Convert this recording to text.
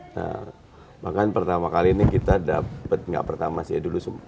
nah bahkan pertama kali ini kita dapet nggak pertama sih ya dulu dua ribu eh dua ribu